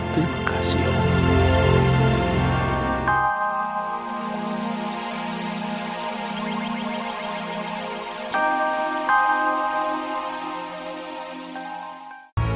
terima kasih allah